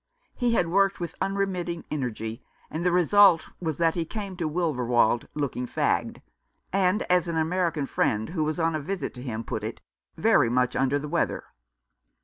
He had worked with unremitting energy ; and the result was that he came to Wilverwold looking fagged, and as an American friend who was on a visit to him put it, very much under the weather.